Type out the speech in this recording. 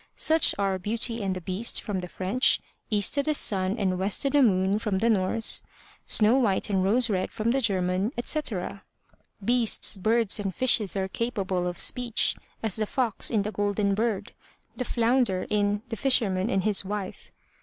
Such are Beauty and the Beast from the French, East O* the Sun and West O' the Moon from the Norse, Snow white and Rose Red from the German, etc. Beasts, birds and fishes are capable of speech, as the Fox in the Golden Bird, the flounder in The Fisherman and His Wife.